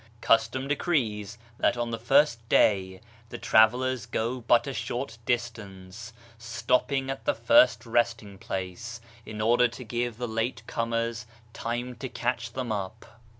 Custom decrees that on the first day the travellers 66 BAHAISM go but a short distance, stopping at the first resting place, in order to give the late comers time to catch them up.